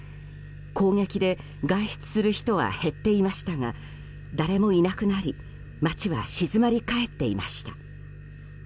攻撃で外出する人は減っていましたが誰もいなくなり街は静まり返っていました。